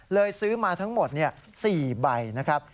เลยซื้อมาทั้งหมดเนี่ย๔ใบนะครับ